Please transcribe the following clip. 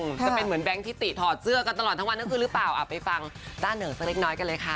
จะเป็นเหมือนแก๊งทิติถอดเสื้อกันตลอดทั้งวันทั้งคืนหรือเปล่าอ่ะไปฟังด้านเหนือสักเล็กน้อยกันเลยค่ะ